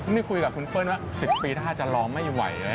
ไม่คุยกับคุณเพิ่มแล้ว๑๐ปีถ้าจะร้องไม่ไหว